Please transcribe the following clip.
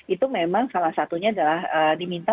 itu memang salah satunya adalah diminta